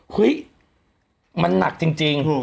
หุ้ยมันนักจริง